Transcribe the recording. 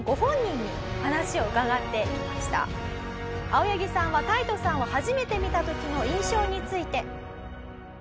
青柳さんはタイトさんを初めて見た時の印象について。